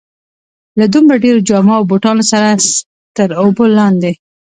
له دومره ډېرو جامو او بوټانو سره تر اوبو لاندې.